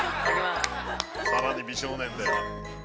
◆さらに美少年で。